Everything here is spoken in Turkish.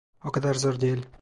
O kadar zor değil.